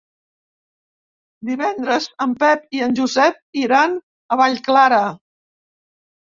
Divendres en Pep i en Josep iran a Vallclara.